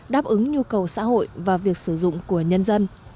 đáp ứng nhu cầu xã hội và việc sử dụng của nhân dân